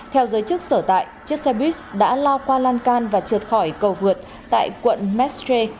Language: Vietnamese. theo giới chức sở tại chiếc xe buýt đã lao qua lan can và trượt khỏi cầu vượt tại quận mestre